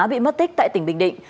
bị mất tích tại tỉnh bình định